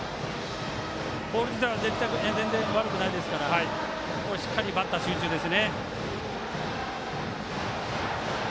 ボール自体は全然、悪くないですからしっかり、バッター集中です。